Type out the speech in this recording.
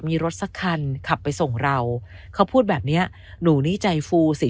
มีรถสักคันขับไปส่งเราเขาพูดแบบเนี้ยหนูนี่ใจฟูสิ